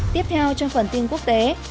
tiếp theo trong phần tin quốc tế